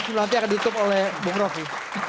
nanti akan ditutup oleh bung rofi